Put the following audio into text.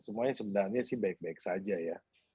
semuanya sebenarnya sih baik baik saja ya